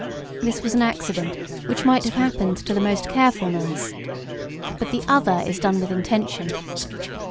This was an accident which might have happened to the most careful nurse. But the other is done with intention.